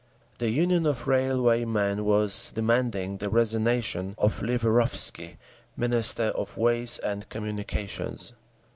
The Union of Railwaymen was demanding the resignation of Liverovsky, Minister of Ways and Communications….